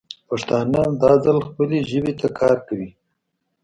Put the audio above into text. پښتانه دا ځل خپلې ژبې ته کار کوي.